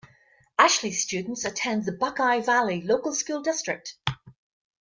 Ashley students attend the Buckeye Valley Local School District.